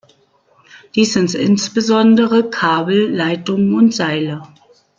Dies sind insbesondere Kabel, Leitungen und Seile.